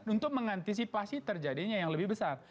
untuk mengantisipasi terjadinya yang lebih besar